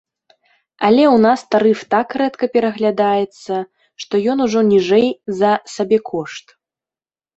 Але ў нас тарыф так рэдка пераглядаецца, што ён ужо ніжэй за сабекошт.